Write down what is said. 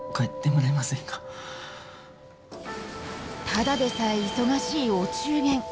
ただでさえ忙しいお中元。